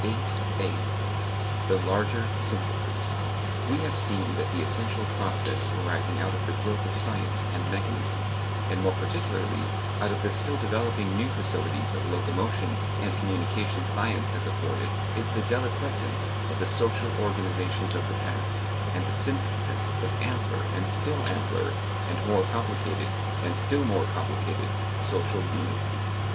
VIII THE LARGER SYNTHESIS We have seen that the essential process arising out of the growth of science and mechanism, and more particularly out of the still developing new facilities of locomotion and communication science has afforded, is the deliquescence of the social organizations of the past, and the synthesis of ampler and still ampler and more complicated and still more complicated social unities.